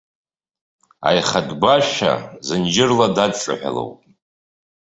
Аихатә гәашьа зынџьырла дадҿаҳәалоуп.